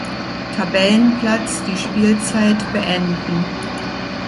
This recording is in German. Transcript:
Tabellenplatz die Spielzeit beenden.